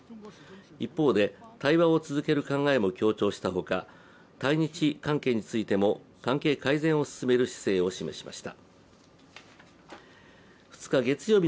一方で、対話を続ける考えも強調した他、対日関係についても関係改善を進める姿勢を示しました。